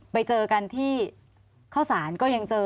ไปเจอกันที่ข้าวสารก็ยังเจอ